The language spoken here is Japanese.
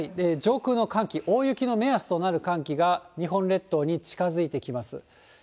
上空の寒気、大雪の目安となる寒気が日本列島に近づいてきます。